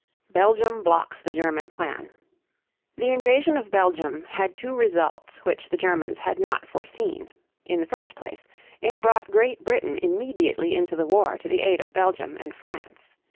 BELGIUM BLOCKS THE GERMAN PLAN. The invasion of Belgium had two results which the Germans had not foreseen. In the first place, it brought Great Britain immediately into the war to the aid of Belgium and France.